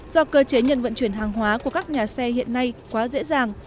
do cơ chế nhận vận chuyển hàng hóa của các nhà xe hiện nay quá dễ dàng